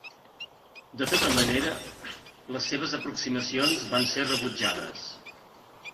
De tota manera, les seves aproximacions van ser rebutjades.